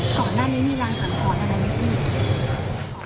ตอนนั้นนี่มีรังสังหวัดอะไรไหมพี่